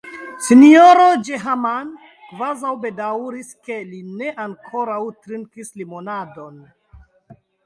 S-ro Jehman kvazaŭ bedaŭris, ke li ne ankaŭ trinkis limonadon.